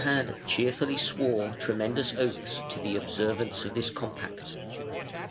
] Theodahad cheerfully swore tremendous oaths to the observance of this compact.